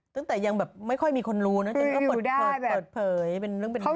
ตั้งแต่ยังแบบไม่ค่อยมีคนรู้นะจนก็เปิดเผยเป็นเรื่องเป็นราว